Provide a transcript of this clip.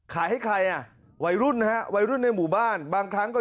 ให้ใครอ่ะวัยรุ่นนะฮะวัยรุ่นในหมู่บ้านบางครั้งก็